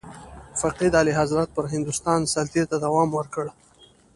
فقید اعلیحضرت پر هندوستان سلطې ته دوام ورکړ.